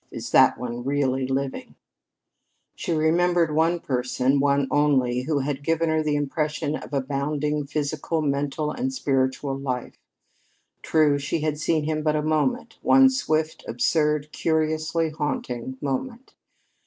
Is that one really living?" She remembered one person one only who had given her the impression of abounding physical, mental, and spiritual life. True, she had seen him but a moment one swift, absurd, curiously haunting moment.